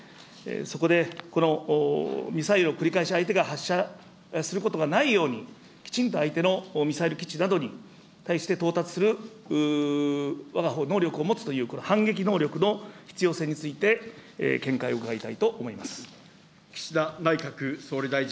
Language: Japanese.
そこで、このミサイルを繰り返し、相手が発射することがないように、きちんと相手のミサイル基地などに対して到達する、わがほう、能力を持つという、この反撃能力の必要性について、見解を伺いたいと思います。